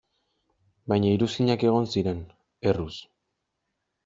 Baina iruzkinak egon ziren, erruz.